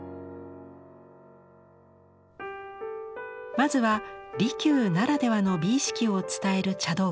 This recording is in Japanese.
まずは利休ならではの美意識を伝える茶道具から。